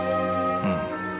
うん。